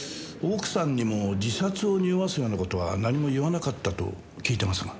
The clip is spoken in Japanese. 奥さんにも自殺をにおわすような事は何も言わなかったと聞いてますが。